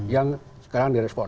yang sekarang direspon